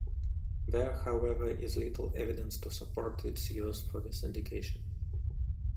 There however is little evidence to support its use for this indication.